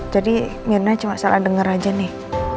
jadi nino cuma salah denger aja nih